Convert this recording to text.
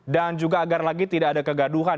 dan juga agar lagi tidak ada kegaduhan